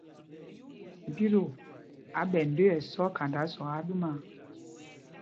Mpito á ɓɛ ndə̄ə̄ ɛsɔk khanda zɔk aa ɗúmaa.